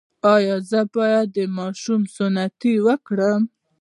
ایا زه باید د ماشوم سنتي وکړم؟